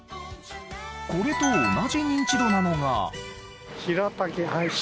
これと同じニンチドなのが。